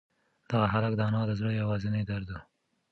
دغه هلک د انا د زړه یوازینۍ درد و.